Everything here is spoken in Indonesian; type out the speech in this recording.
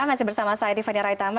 masih bersama saya tiffany raitama